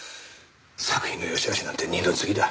作品の良しあしなんて二の次だ。